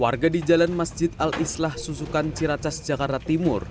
warga di jalan masjid al islah susukan ciracas jakarta timur